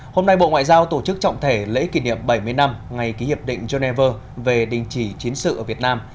hôm nay bộ ngoại giao tổ chức trọng thể lễ kỷ niệm bảy mươi năm ngày ký hiệp định geneva về đình chỉ chiến sự ở việt nam